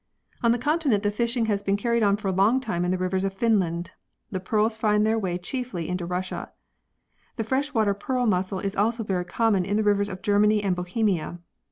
On the continent the fishing has been carried on for a long time in the rivers of Finland. The pearls find their way chiefly into Russia. The fresh water pearl mussel is also very common in the rivers of Germany and Bohemia.